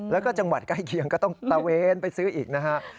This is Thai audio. แล้วก็จังหวัดใกล้เคียงก็ต้องตะเวนไปซื้ออีกนะฮะ